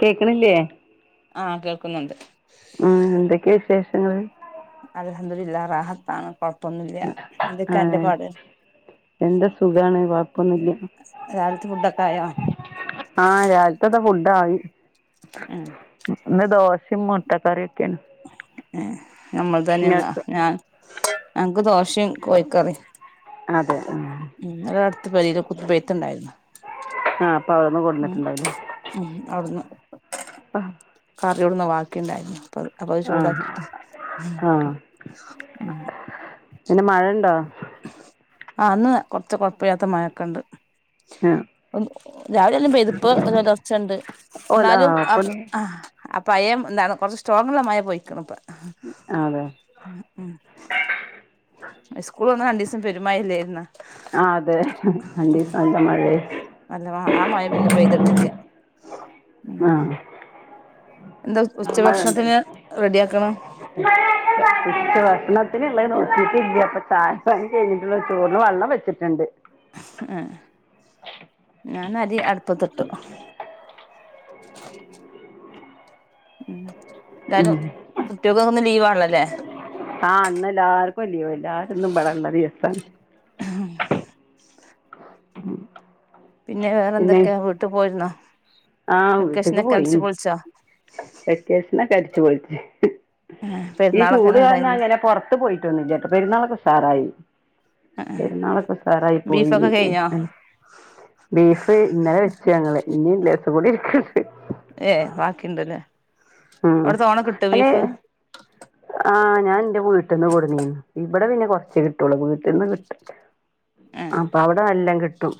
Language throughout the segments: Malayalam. കേക്കണില്ലേ ആഹ് കേൾക്കുന്നുണ്ട് ആഹ് എന്തൊക്കെയാ വിശേഷങ്ങൾ അൽഹംദുലില്ലാഹ് റാഹത്താണ് കൊഴപ്പൊന്നുല്ല ആ എന്തൊക്കാ അന്റെ പാട് എന്താ സുഖാണ് കൊഴപ്പൊന്നുല്യ രാവിലത്തെ ഫുഡൊക്കെ ആയോ ആഹ് രാവിലത്താത്ത ഫുഡ ആയി ഉം ഇന്ന് ദോശയും മുട്ട കറിക്കെയാണ് ഏഹ് നമ്മൾ തന്നെങ്ങ ഞാൻ ഞങ്ങക്ക് ദോശയും കോഴിക്കറി അതെ ആഹ് ന്നലെ അടുത്ത് പരേല് കുത്തിബയത്തുണ്ടായിരുന്നു ആഹ് അപ്പ അവിടുന്ന് കൊണ്ടന്നിട്ടുണ്ടാവില്ലേ ഉം അവിടുന്ന് ആഹ് കറിതോളു വാക്കിണ്ടായിരുന്നു അപ്പ അത് അപ്പൊ അത് ആ ചൂടാക്കിട്ട് ആ ഉഹ് പിന്നെ മഴണ്ടോ ആന്ന് കൊറച്ച് കൊഴപ്പില്ലാത്ത മഴക്കണ്ട് ആ ഉം രാവിലെ എല്ലാം പെയ്തു ഒരുലറച്ചുണ്ട് ഓല ആ എന്നാലും ആഹ് അപ്പൊന്ന് അപ്പയം എന്താണ് കുറച്ച് സ്ട്രോങ്ങുള്ള മഴ പൊക്കണ ഇപ്പൊ അതെ ഉം സ്കൂൾ തുറന്നെ രണ്ട് ദിസം പെരുമഴയയല്ലേയിരുന്ന ആഹ് അതെ രണ്ടീസം നല്ല മഴേ അല്ല ആ മഴ പിന്നെ പെയ്തിട്ടില്ല ഉം ആഹ് എന്താ ഉച്ചഭക്ഷണത്തിന് റെഡിയ ആക്കണം [inaudible] ഇച്ച ഭക്ഷണത്തിന്ള്ളത് നോക്കിട്ടില്ല അപ്പൊ ചായപ്പനി കഴിഞ്ഞിട്ടുള്ള ചോറിന് വെള്ളം വെച്ചിട്ടുണ്ട് ആഹ് ഞാൻ അരി അടുപ്പത്തിട്ടു ഉം എല്ലാരും ഉം. കുട്ടിക ഒക്ക ഒന്ന് ലീവ് ആണല്ലേ ആഹ് അന്ന് എല്ലാർക്കും ലീവാണ് എല്ലാരുന്നും പടെള്ള ദിവസ പിന്നെ വേറെ എന്തൊക്കെയാ വീട്ടിൽ പോയിരുന്നോ ആഹ് വീട്ടേക്ക് വെക്കേഷനൊക്കെ അടിച്ചു പോയിന് പൊളിച്ചോ വെക്കേഷനൊക്കെ അടിച്ച് പൊളിച്ച് ഈ പെരുന്നാളൊക്കെ ചൂട് എങ്ങനെ കാരണം ഉണ്ടായിരുന്നു അങ്ങനെ പുറത്ത് പോയിട്ടൊന്നുല്ല പെരുന്നാളക്കെ ഉസാറായി പെരുന്നാളൊക്കെ ഉസറായി പോയി ബീഫൊക്കെ കഴിഞ്ഞോ ബീഫ് ഇന്നലെ വെച്ചു ഞങ്ങള് ഇനണ്ട് കൂടി ഇരിക്കത് ഏയ് ബാക്കിണ്ടല്ലേ ആഹ് അവിടെ തോനെ കിട്ടോ അല്ലെ ബീഫ് ആഹ് ഞാൻ എന്റെ വീട്ടിൽന്ന് കൊടുന്നീന്ന് ഇവിടെ പിന്നെ കൊറച്ച് കിട്ടൊള്ളൂ വീട്ടിൽന്ന് കിട്ടുല്ലെ ആ അപ്പൊ അവിടെ എല്ലാം കിട്ടും.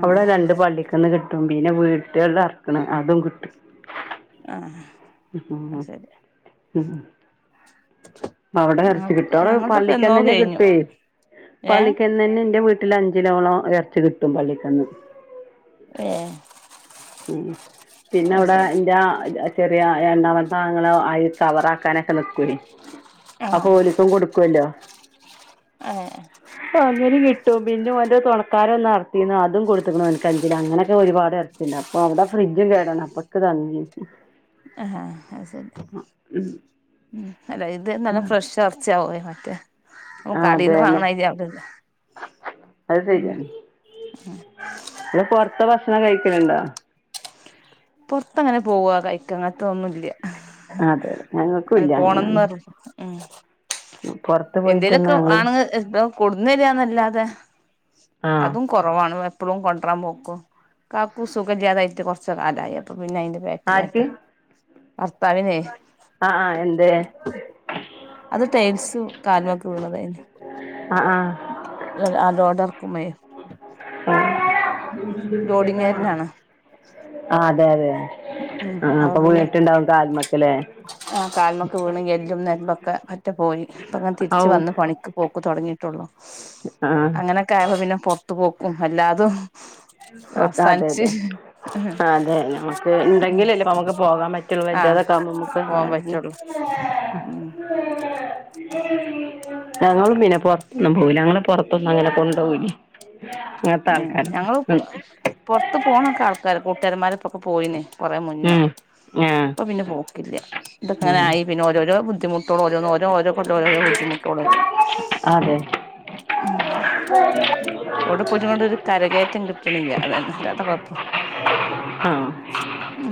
ആ അവിടെ രണ്ട് പള്ളിക്കന്ന് കിട്ടും പിന്നെ വീട്ടേൾല് അറക്കണ് അതും കിട്ടും. ആഹ് ഹ് ഇഹ് അവിടെ ഇറച്ചി ഞങ്ങക്ക് കിട്ടാറ് ഞങ്ങളതൊക്കെ എന്നോ പള്ളിക്കന്നെനെ കഴിഞ്ഞു കിട്ടേയ് ഏ പള്ളിക്കൽ ന്നെനെ എന്റെ വീട്ടിൽ അഞ്ച് കിലോളം എറച്ചി കിട്ടും പള്ളിക്കന്ന്. ഏ ഉ പിന്നെ അത് അവിടെ ശരി എന്റെ ചെറിയ രണ്ടാമത്തെ ആങ്ങള അയ് കവറ് ആക്കാനൊക്കെ നിൽക്കോയ് ഉ അപ്പോ ഓലുക്കും കൊടുക്കുവല്ലോ? അതെ അങ്ങനെ കിട്ടും പിന്നെ അവൻ്റെ തുണക്കാരല്ലെ അറത്തിന്ന് അതും കൊടുത്ത്ക്ക്‌ണ് അവൻക്ക് അഞ്ച് കിലോ അങ്ങനൊക്കെ ഒരുപാട് എർ- പിന്നെ അപ്പൊ അവടെ ഫ്രിഡ്ജ് കേടാണ് അപ്പൊക്ക് തന്ന് അ ഹാ അത് ശരി ഉം അല്ല ഇത് നല്ല ഫ്രഷ് ആഹ് ചാവേ മറ്റെ ആ അതെ കടേന്ന് തന്നെ വാങ്ങണ മാതിരി ആവൂലല്ലോ അത് ശരിയാണ് പിന്നെ പൊറത്ത ഭക്ഷണം കഴിക്കല്ണ്ടോ? പൊറത്ത് അങ്ങനെ പോവാ കഴിക്ക അങ്ങനത്ത ഒന്നുല്ല അതെ അതെ അങ്ങനെ ഞങ്ങൾക്കുല്ല പോണം ന്ന് അങ്ങനൊന്നും നിർ- പൊറത്ത് പോയിട്ടൊന്നും എന്തേലൊക്കെ ഞങ്ങള് ആണ്ങ്ങള് ഇവടെ കൊടുന്ന് തെരാന്നല്ലാതെ ആഹ് അതും കുറവാണ് എപ്പളും കൊണ്ടരാൻ പോക്കും കാക്കൂ സുഖം ഇല്ലാതായിട്ട് കുറച്ച് കാലായി അപ്പ പിന്നെ അതിന്റെ ബേക്കിലാ ഇപ്പൊ അഹ് അഹ് എന്തേ അത് ടൈൽസ് കാല്മ്മക്ക്‌ വീണത അയ്ന് അ ആഹ് അഹ് ലോടെർക്കു മേ ലോഡിങ്ങേരനാണ് ആ അതെ അതെ ഉം ആഹ് അപ്പൊ വീണ് പിന്നെ ട്ട്ണ്ടാവും കാല്മ്മക്ക്‌ ലേ ആ കാല്മക്ക്‌ വീണ് എല്ലും നെരമ്പൊക്കെ അറ്റ പോയി ഇപ്പ അങ്ങനെ ഔ തിരിച്ച് വന്ന് പണിക്ക്‌ പോക്ക് തുടങ്ങിയിട്ടൊള്ളു ആഹ് അങ്ങനൊക്കെ ആയപ്പൊ പിന്നെ പൊറത്തു പോക്കും അല്ലാതും ഒക്കെ അതെ അതെ ആ അതെ ഞമ്മ- ക്ക്‌ ഇണ്ടെങ്കിലല്ലേ നമുക്ക് പോകാൻ പറ്റുള്ളൂ ആഹ് വെജ്ജെതെക്കെ ആകുമ്പോ നമുക്ക് പോവാൻ പറ്റുള്ളൂ ഉം [unintelligible] ഞങ്ങളും പിന്നെ പുറത്തൊന്നും പോവില്ല ഞങ്ങളെ പുറത്തൊന്നും അങ്ങനെ കൊണ്ടോവില്ലെ അങ്ങൻത്തെ ഏഹ് ആൾക്കാരാണ് ഞങ്ങള് പൊറത്ത് പോണൊക്കെ ആൾക്കാര കൂട്ടുകാരമാരെ പ്പൊക്കെ പോയിന് കൊറേ മുന്നെ ഉം ആഹ് ഇപ്പൊ പിന്നെ പോക്കില്ല ഇതൊക്കെ ഇങ്ങനെ ഉം ആയി പിന്നെ ഓരോരോ ബുദ്ധിമുട്ട്. ട്ടോള് ന്ന് ഓരോ ഓരോ കൊല്ലം ഓരോ ബുദ്ധിമുട്ടോളല്ലേ അതെ [unintelligible] മുന്നോട് ഒരു കരകയറ്റം കിട്ടണില്ല അതന്നെ അല്ലാത്ത കൊഴപ്പം ആഹ് ഒന്നു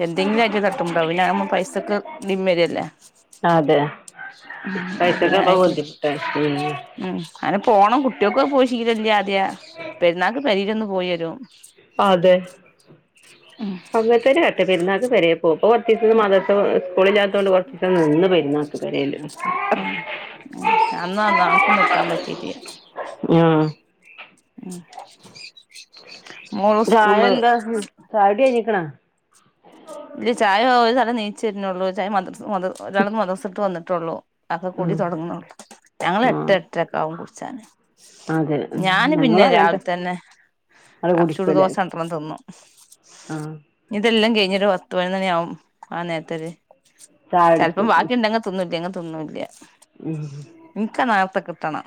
ല്ല എന്തെങ്കിലും ആയിട്ട് തട്ടുണ്ടാവും പിന്ന തുമ്മെ പൈസക്ക്‌ ഡ്ഡിം വെരെല്ലേ അതെ പിന്നെ പൈസക്പ്പം അങ്ങനായിട്ട് ബുദ്ധിമുട്ടാണ് അങ്ങനെ പോണം കുട്ടികൊക്കെ പോയിശീലല്ല ആദ്യ പെരുന്നാൾക്ക് പെരേല് ഒന്ന് പോയിവരും അതെ ഇങ്ങത്തെന്നെകാട്ടാ പെരുന്നൾക്ക് പെരേപോവും ഇപ്പകൊർച്ചീസം ഉം മദർസസ്കൂളില്ലാത്തോണ്ട് കൊറ ച്ചീസം നിന്ന് പെരുന്നാക്ക് പെരേല് ആഹ് ആഹ് അന്നൊന്ന് ആർക്കും നിക്കാ പറ്റിട്ടില്ല ആഹ് ഉം മോള് സ്കൂള് രാഎന്ത ചായുടികഴിഞ്ക്ണോ ഇല്ല ചായ ഒരു തല നീച്ചു വരുന്നൊള്ളൂ ഒര് തല ഒരാള മദർസട്ട് വന്നിട്ടുള്ളൂ ഒക്കെ കൂടി ഉം തുടങ്ങുന്നുള്ളൂ ഞങ്ങള് എട്ട ആഹ് എട്ടര ഒക്കെ ആകും കുടിച്ചാണ് അതെ ഞാന് പിന്നെ ഞങ്ങളും അങ്ങനത്തെ രാവിലെ തന്നെ അത് ആ കുടിക്കുംല്ലേ ചുട്ദൊശ രണ്ടണം തിന്നും ആഹ് ഇഞ്ഞട്ട് തെല്ലാം കഴിഞ്ഞട്ട് പത്ത്പയിനൊന്ന്മണിയാവും ആ നേരത്തൊര് ചായ ചെലപ്പം കുടിക്കും ബാക്കിണ്ടെങ്കി തിന്നുല്ലങ്കി തിന്നൂല്ല ആഹ് ഇനിക്ക് നേരത്തെ കിട്ടണം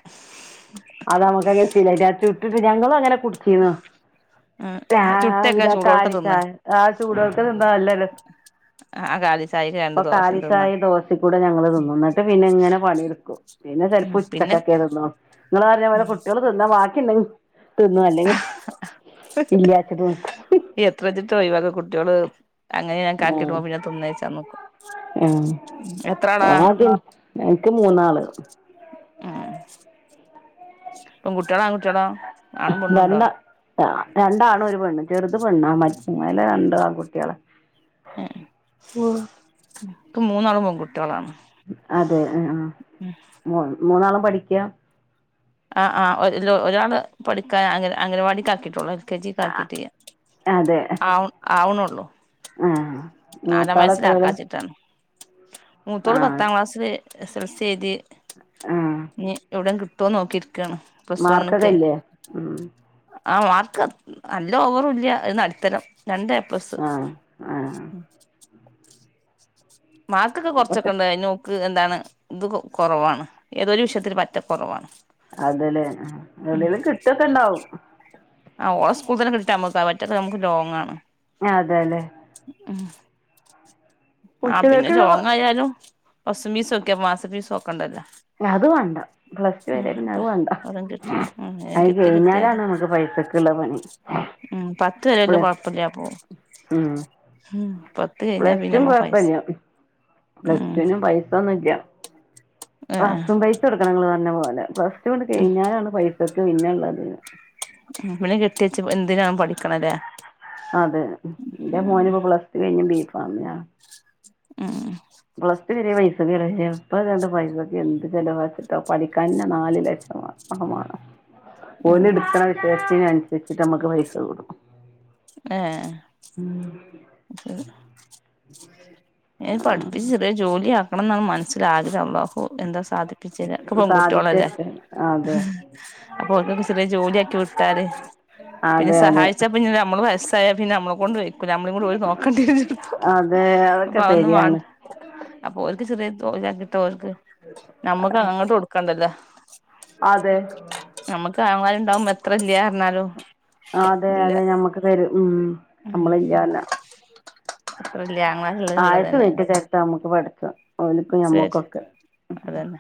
അത് നമ്മുക്കങ്ങനശീലായിട്ടാ ച്ചുട്ടിട്ട് ഞങ്ങളും അങ്ങനെ കുടിച്ചീന്നു ഉം ചുട്ടൊക്കെ രാവിലെ ചൂടോട്ക്കെ തിന്ന കാലിച്ചായആ ചൂടോട്ക്ക നെ തിന്നാ നല്ല രസാ ആഹ് ആഹ് കാലിച്ചായിക്ക് രണ്ട് ദോശിം തിന്നാ ദോശേക്കൂടെ ഞങ്ങള് തിന്നും നട്ട് പിന്നെ ഇങ്ങനെ പണിടുക്കും പിന്നെ ഉം ചെലപ്പോ പിന്നെ ഉച്ചക്കക്കെ തിന്നൊള്ളു ഇങ്ങൾ പറഞ്ഞൾ തിന്നാ ബാക്കി ണ്ടെങ്കിൽ തിന്നും ല്ലെങ്കിൽ ഇല്ലാചിട എത്ര ചിട്ട ഒയിവാക്ക കുട്ട്യാൾ അങ്ങനെ ക്ക ആക്കിട്ട് ആഹ് പോവുമ്പോ പിന്നെ തിന്നേച്ചാ നോക്കും ആഹ് എത്രാളാ ആദ്യം എനിക്ക് മൂന്നാള് ആഹ് പെൺകുട്ടിയാളോ ആൺകുട്ടിയാളോ രണ്ട രണ്ടാണ് ഒരു പെണ്ണ് ചെറുത് പെണ്ണാ മേലെ രണ്ട് ആണ് കുട്ട്യാളാ ഏ ഓ ഇക്ക് മൂന്നാള് പെൺകുട്ട്യാളാണ് അതെ ആഹ് ആഹ് മു മൂന്നാളും പഠിക്കാ ആഹ് ആഹ് ല്ല ഒരാള് പഠിക്കാൻ അന്ക അങ്കലവാടിക്ക ആക്കി ട്ടോള്ളൂ എൽ കെ ജി ക്ക ആകീട്ടില്ല അതെ ആവണ് ആവണോള്ളൂ ആഹ് നാലാം മൂത്താള് എത്രേലാ വയസ്സിലാക്കാച്ചിട്ടാണ് മൂതോൾ ആഹ് പത്താം ക്ലാസില് എസൽസി എഴുതി ആഹ് ഇനി എവിടേലും കിട്ടോ ട്ടോ നോക്കിരിക്കാണ് പ്ലസ് മാർക്കൊക്കെ വണ്ണ്ക്കെ ഇല്ലേ ഉം ആഹ് മാർക്ക് നല്ല ഓവറല്ല ഒര്ട്ത്തരം രണ്ട് എപ്ലസ്. ആഹ് ആഹ് മാർക്കൊക്കെ അപ്പൊക്കെ കൊറച്ചൊക്കെണ്ട് അയ്ന് ഓക്ക് എന്താണ് ഇത് കൊറവാണ് ഏതൊരു വിഷയത്തിന് പറ്റെകൊറവാണ്. അതേ ലേ എവ്ടെലും കിട്ടൊക്കെണ്ടാവും. ആഹ് ഓളെ സ്കൂളിതന്നെ കിട്ടിട്ടെ നമക്ക് ക മറ്റത് നമ്മക്ക് ലോങ്ങാണ്. അതെലേ? ഉം ആഹ് പിന്നെ ഉച്ചകേക്കുള്ള ലോങ്ങായാലും ബസ്ഫീസൊക്കിയ മാസംഫീസൊക്കണ്ടല്ലോ അത് വാണ്ട പ്ലസ് ടു വരെ പിന്നെ അത് വാണ്ട അതും കിട്ടി ഉം അത് കിട്ടി കഴിഞ്ഞാലാണ് കിട്ടിയാല് നമ്മക്ക് പൈസ ക്ക്ള്ളപണി ഉം പത്ത് വരെവല്ല്യ കൊഴപ്പല്ലാതെ പോവും ഉം ഉം പത്ത് കഴിഞ്ഞാ പിന്നെ മ്മ പണിയാ പ്ലസ് ടുവിന് പൈസ ഒന്നുംല്ല ഏഹ് ബസും പൈസ കൊട്ക്കണം ഇങ്ങള് പറഞ്ഞ പോലെ പ്ലസ് റ്റൂ ങ്ങട് കഴിഞ്ഞാലാണ് പൈസക്ക് പിന്നെള്ളത് പിന്നെ കെട്ടിവെച്ച് എന്തിനാവും പഠിക്കണ്ലേ അതെ ന്റെ മോന് ഇപ്പ പ്ലസ് റ്റു കഴിഞ് ബീഫാമിനാ ഉം പ്ലസ് ടു വരെ പൈസക്ക്‌ ചെലവില്ല ഇപ്പ അതണ്ട് പൈസക്കെ എന്ത് ചിലവാച്ചിട്ടാ പഠിക്കാൻന്നെ നാല് ലക്ഷംവാണം അഹ് ഓല് ഉം എട്ക്ക്‌ണ വിഷയത്തിന് അനുസരിച്ചിട്ട് നമ്മക്ക് പൈസ കൂടും ഏ ഉം പഠിപ്പിച്ച് ചെറിയ ജോലിയാക്കണം എന്നാണ് മനസ്സില് ആഗ്രഹം അള്ളാഹു എന്താ സാധി ചെലർക്ക്‌ പെൺകുട്ടികളല്ലേ സാധിച്ചെടുക്ക അതെ അപ്പൊ ഒൽക്കൊക്കെ ചെറിയ ജോലിയാക്കി വിട്ടാല് പിന്നെ അതെ അതെ സഹായിച്ചാപ്പിന്നെ നമ്മള് വസ്സായ പിന്നെ നമ്മളെ കൊണ്ട് വൈക്കൂല നമ്മളേം കൂടെ ഓല് നോക്കണ്ടിവരുംപ്പൊ [unintelligible] അപ്പ അതൊന്നും ശരിയാണ് വാണ്ട അപ്പൊ ഓൽക്ക്‌ ചെറിയ തൊഴിലാക്കിട്ടാ ഓൽക്ക് ഞമ്മക്ക് അങ്ങട്ട് കൊട്ക്കണ്ടല്ലേ അതെ ഞമ്മക്ക് ആങ്ങലമാര്ണ്ടാവുമ്പ എത്ര ഇല്ല്യ പറഞ്ഞാലും അതെ അതെ ഇല്ല ഞമ്മക്ക് തരും ഉം ഉം നമ്മളില്ലാല അത്ര ഇല്ലേ ആങ്ങമാര്ള്ളത് ഇള്ളത് തന്നെയാണ് ത്താ നമ്മക്ക് പടചോൻ സെരി അതന്നെ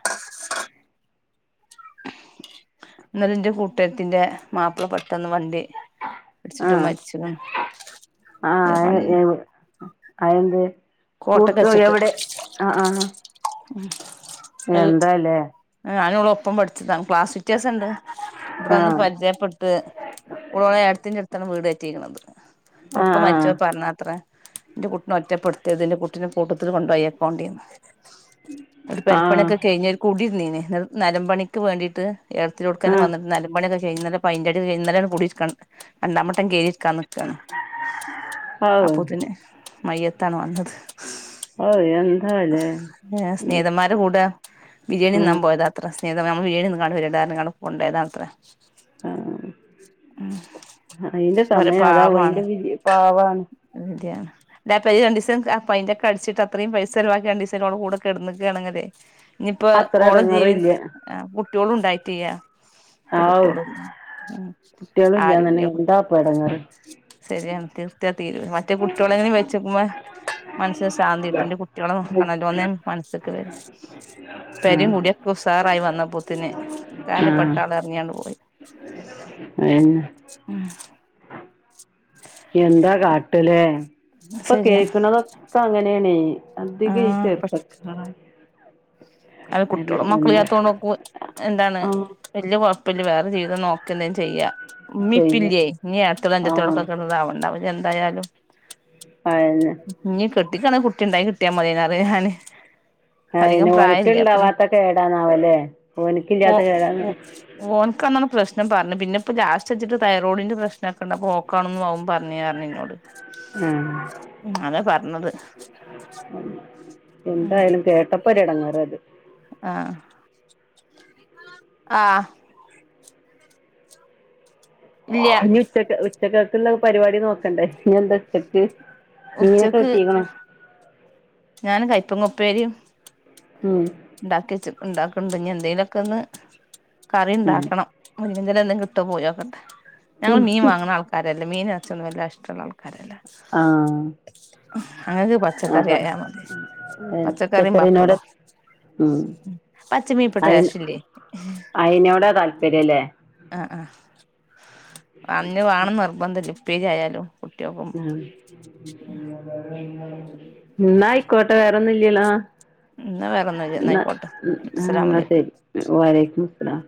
ഇന്നലെ ന്റെ കൂട്ട്കാത്തിന്റെ മാപ്പിള പെട്ടന്ന് വണ്ടി ഇടിച്ചിട്ട് ആഹ് മരിച്ച്ക്ക്‌ണ് അത് അയെന്തേ കോട്ടക്ക്‌ വച്ചിട്ട് ആഹ് ഉം അത് എന്താല്ലേ ഞാനും ഓളും ഒപ്പം പഠിച്ചതാ ക്ലാസ് വിത്യാസൊണ്ട് ഇവ്ടെ വന്ന് ആഹ് പരിചയപ്പെട്ട് ഓള് ഓളെ എട്ടത്തിന്റെ അട്ത്താണ് വീട് കേറ്റിയിക്കണത് ഓള് ഇപ്പ ആഹ് മരിചപ്പ പറഞ്ഞാത്രേ ന്റെ കുട്ടിനെ ഒറ്റപ്പെടുത്തര്ത് എന്റെ കുട്ടിനെ കൂട്ടത്തില് കൊണ്ടുപോയിക്കോണ്ടിന്ന് ഓര് ആഹ് പെരപ്പണിയൊക്കെ ആഹ് കഴിഞ്ഞര് കൂടിരുന്നീന് നെലംപണിക്ക് വേണ്ടിട്ട് എട്ത്തിയൊട്ക്ക്‌ന്നെ വന്നിട്ട് നെലംപണിയൊക്കെ കഴിഞ് ഇന്നലെ പയ്ന്റടി കഴിഞ് ഇന്നലെയാണ് കുടി ഇരിക്കാൻ നിക്ക രണ്ടാവട്ടം കേറിയിരിക്കാ ക്കാണ് ആഹ് അപ്പൊത്തിന് മയ്യത്താണ് വന്നത് ഔ എന്താ ഓൻ സ്നേഹിതമാരെ കൂടെ ബിരിയാണി ഉം തിന്നാൻ പോയതാ അത്ര സ്നേഹിത നമ്മളെ ബിരിയാണിതിന്ന് വരാറഞ്ഞു കണ്ട് വര്വടാ എന്ന്പറഞ് കൊണ്ടോയതാത്ര ആഹ് ഉം അത് അയിന്റെ സമയം അതാവും അയിന്റെവിധി പാവാണ് എന്തിയാ അ പര് രണ്ടിവസം പയിന്റെ ഒക്കെ അടിച്ചി അത്രയും പൈസ ചെലവാക്കി രണ്ടീസോടെ കൂടെ കെടന്നക്കുകയാണെങ്കില് ഇഞ്ഞിപ്പോ അത്ര ഓള ജീവി എടങ്ങേറില്ല ആ കുട്ടികളും ഉണ്ടായിട്ടില്ല ഒറ്റ കുട്ടികളുല്ല ഉം കുട്ട്യാൾ ആരുല്ല ഇല്യന്ന്ണ്ടെങ്കി കുട്ടി എന്താപ്പ എടങ്ങേറ് ശരിയാണ് തീർത്താ തീരുല മറ്റേ കുട്ട്യാകെങ്കിലും വെച്ചെക്കുമ്പ മനസ്സിന് ശാന്തികിട്ടും ന്റെ കുട്ട്യാളെ നോക്കണല്ലോന്ന് മനസ്സ്ക്ക് വെരും ആ പേരിം കൂടിയൊക്കെ ഉസാറായി വന്നപ്പോത്തിന് കാര്യപ്പെട്ട ആഹ് ആൾ എറങ്ങിയണ്ട് പോയി അയെന്നെ ഉം എന്താ കാട്ടലെ ഇപ്പ ശരിയാണ് കേക്ക്ണതൊക്കെ അങ്ങനെണ് അധിക ഈ ആഹ് ചെർപ്പക്കാര് അഹ് കുട്ട്യാളും മക്കള ഇല്ലത്തോണ്ട് നോക്കുമ്പ എന്താണ് ആ വല്യയ കൊയ്പ്പല്ല വേറെ ജീവിതം നോക്ക എന്തേം ചെയ്യാ ഇമ്മി ഇപ്പി ചെയ്യ ല്ലേയ് ഇനി ഏട്ടത്തിയാളോ ആ അന്ജതിയാള്ളൊക്കൊ ക്കെതാവണ്ടെ അപ്പൊ ഇഞ്ഞി എന്തായാലും ആഹ് ഇല്ല ഇഞ്ഞി കെട്ടികോട്ന്നാകുട്ടി ഉണ്ടായി കിട്ടിയാ മതെയ്നി അതാ ഞാന് ആഹ് പിന്നെ അധികം ഓന്ക്ക് പ്രായല്ല അപ്പൊ ഇണ്ടാവാത്ത കേടാണാവല്ലേ ഓനിക്ക് ഇല്ലാത്ത കേടാണോ ഓന്ക്കാ ന്നാണ് പ്രശ്നം പറഞ് പിന്ന ഇപ്പ ലാസ്റ്റ് വെച്ചിട്ട് തൈറോഡിന്റെ പ്രശ്നക്കണ്ട് അപ്പോ ഓക്കാണ് അവും പറഞ്പ്പ ഇന്നോട് ഉ ആഹ് ഉം അതാ പറ്ഞ്ഞത് എന്തായാലും കേട്ടപ്പൊരു എടങ്ങേറ് അത് ആഹ് ഉ ആഹ് ഇല്ല ഇനി ഉച്ചക്ക് ഉച്ചക്കക്ക്ള്ള പരിപാടി നോക്കണ്ടേ ഇനി എന്താ ഉച്ചക്ക് മീനൊക്കെ ഉച്ചക്ക് കിട്ടീക്കണോ ഞാൻ കയ്പ്പങ്ങ ഉപ്പേരിം ഉം ഇണ്ടാക്കെച്ച് ഇണ്ടാക്ക്ണ്ട് ഇനി എന്തേലൊക്കെന്ന് കറി ഉം ഇണ്ടാക്കണം മുരിങ്ങെന്റെല എന്തേം കിട്ടോ പോയോക്കട്ടെ ഞങ്ങൾ ഉം മീൻ വാങ്ങ്ണ ആൾക്കരല്ല ആക്കാരല്ല മീനും അറ്ച്ചിയൊന്നും വല്ലാ ഇഷ്ടള്ള ആൾക്കാരല്ല ആ അങ്ങക്ക് പച്ചക്കറി അപ്പൊ ആയാ മതി പച്ചക്കറിം പച്ചക്കറിനോട് പപ്പടും ഉം പച്ച മീന് ഇപ്പ അയി ടേസ്റ്റ് ഇല്ലയ് അയിനോടാ താല്പര്യല്ലേ ആഹ് ആ ഹ് അഹന്നെ വാണം നിർബന്ധല്ല ഉപ്പേരി ആയാലും കുട്ട്യാക്ക് ഉം ഇന്ന ആയ്ക്കോട്ടെ വേറൊന്നും ഇല്ലല്ലോ എന്നാ വേറൊന്നുല്ല ന്നാ ഇല്ല ആയിക്കോട്ടെ അസ്സലാമു ന്നാ അലൈക്കും ശെരി വാലെയ്ക്കും മുസ്സലാം